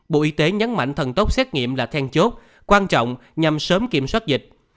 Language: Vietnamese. bộ y tế nhấn mạnh thần tốc xét nghiệm là then chốt quan trọng nhằm sớm kiểm soát dịch